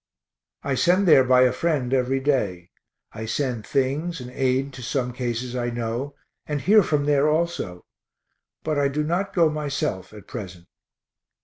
I send there by a friend every day; I send things and aid to some cases I know, and hear from there also, but I do not go myself at present.